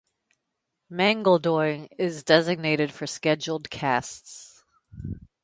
Mangaldoi is designated for scheduled castes.